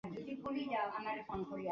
যখন প্রয়োজন পড়বে আমাকে স্মরণ করবেন।